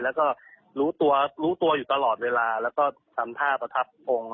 แล้วก็รู้ตัวรู้ตัวอยู่ตลอดเวลาแล้วก็ทำท่าประทับองค์